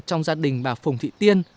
trong gia đình bà phùng thị tiên